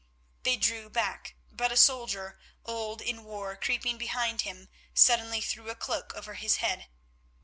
They drew back, but a soldier, old in war, creeping behind him suddenly threw a cloak over his head.